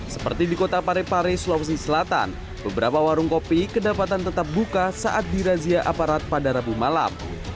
seperti di kota parepare sulawesi selatan beberapa warung kopi kedapatan tetap buka saat dirazia aparat pada rabu malam